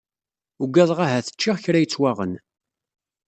Ugadeɣ ahat ččiɣ kra yettwaɣen.